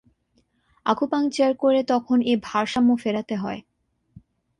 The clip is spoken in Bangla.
আকুপাঙ্কচার করে তখন এ ভারসাম্য ফেরাতে হয়।